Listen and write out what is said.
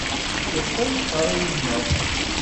Yeqqur uqerruy-nneɣ.